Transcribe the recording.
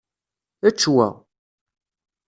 Ečč wa.